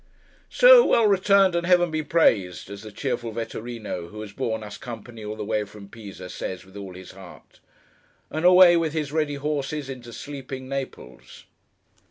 So 'well returned, and Heaven be praised!' as the cheerful Vetturíno, who has borne us company all the way from Pisa, says, with all his heart! And away with his ready horses, into sleeping Naples!